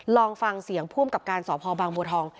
ลองฟังเสียงผู้อำกับการสพบางบัวทอง